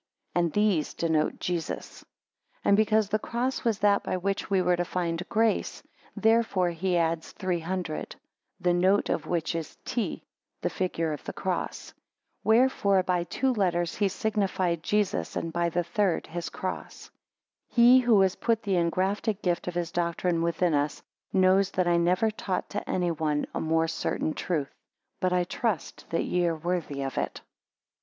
And these denote Jesus. 13 And because the cross was that by which we were to find grace, therefore he adds, three hundred; the note of which is T (the figure of his cross). Wherefore by two letters he signified Jesus, and by the third his cross. 14 He who has put the engrafted gift of his doctrine within us, knows that I never taught to anyone a more certain truth: but I trust that ye are worthy of it.